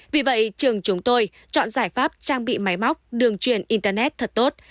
vì vậy trường chúng tôi chọn giải pháp trang bị máy móc đường truyền internet thật tốt